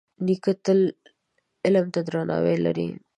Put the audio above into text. نیکه تل علم ته درناوی لري.